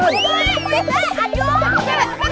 bebek bebek aduh